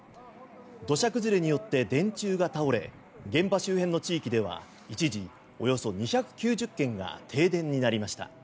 土砂崩れによって電柱が倒れ現場周辺の地域では一時およそ２９０軒が停電になりました。